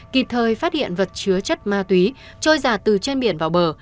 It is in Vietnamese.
kịp thời phát hiện vật chứa chất ma túy trôi giả từ trên biển vào bờ